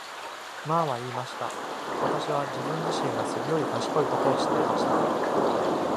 マーは言いました、私は自分自身がそれより賢いことを知っていました。